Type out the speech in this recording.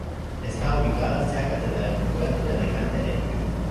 Está ubicada cerca del Aeropuerto de Alicante-Elche.